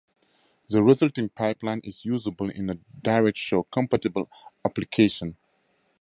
The resulting pipeline is usable in a DirectShow compatible application.